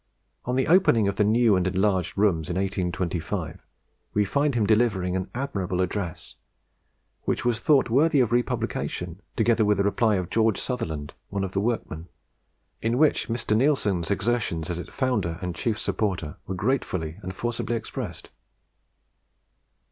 On the opening of the new and enlarged rooms in 1825, we find him delivering an admirable address, which was thought worthy of republication, together with the reply of George Sutherland, one of the workmen, in which Mr. Neilson's exertions as its founder and chief supporter were gratefully and forcibly expressed.